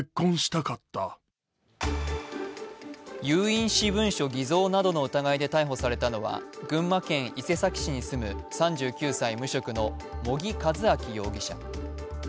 有印私文書偽造などの疑いで逮捕されたのは群馬県伊勢崎市に住む３９歳、無職の茂木和昭容疑者。